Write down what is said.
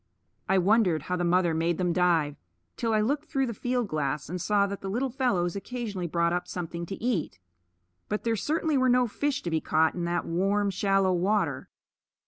I wondered how the mother made them dive, till I looked through the field glass and saw that the little fellows occasionally brought up something to eat. But there certainly were no fish to be caught in that warm, shallow water.